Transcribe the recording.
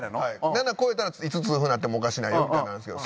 ７超えたらいつ痛風になってもおかしないよってなるんですけど。